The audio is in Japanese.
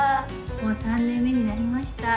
もう３年目になりました